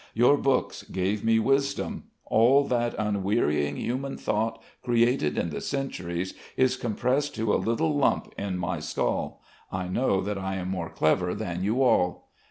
"Your books gave me wisdom. All that unwearying human thought created in the centuries is compressed to a little lump in my skull. I know that I am more clever than you all.